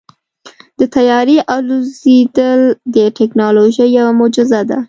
د طیارې الوزېدل د تیکنالوژۍ یوه معجزه ده.